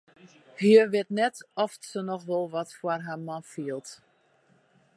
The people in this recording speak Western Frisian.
Hja wit net oft se noch wol wat foar har man fielt.